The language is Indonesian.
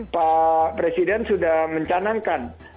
pak presiden sudah mencanangkan